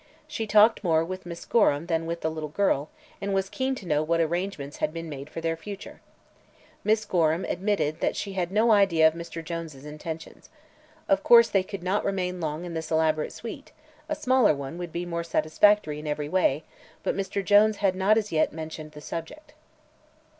She talked more with Miss Gorham than with the little girl and was keen to know what arrangements had been made for their future. Miss Gorham admitted that she had no idea of Mr. Jones' intentions. Of course they could not remain long in this elaborate suite; a smaller one would be more satisfactory in every way; but Mr. Jones had not as yet mentioned the subject.